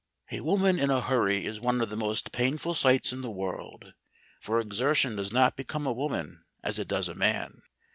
"A woman in a hurry is one of the most painful sights in the world, for exertion does not become a woman as it does a man.